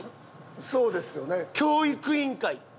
そうですよね。